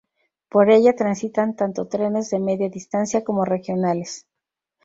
Por ella transitan tanto trenes de media distancia como regionales.